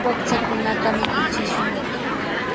Wakchakunata mikuchishun.